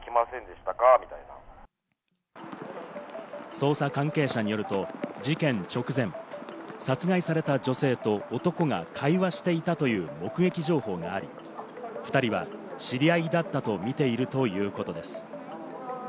捜査関係者によると事件直前、殺害された女性と男が会話していたという目撃情報があり、２人は知り合いだったとみているということです。